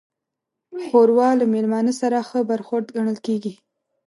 ښوروا له میلمانه سره ښه برخورد ګڼل کېږي.